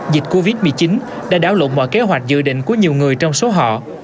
dịch covid một mươi chín đã đáo lộn mọi kế hoạch dự định của nhiều người trong số họ